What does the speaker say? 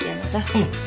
うん。